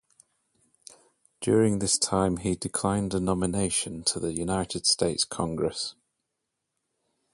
During this time he declined a nomination to the United States Congress.